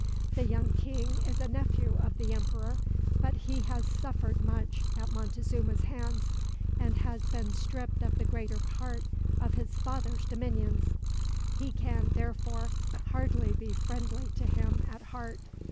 The young king is a nephew of the emperor, but he has suffered much at Montezuma's hands, and has been stripped of the greater part of his father's dominions. He can, therefore, hardly be friendly to him at heart.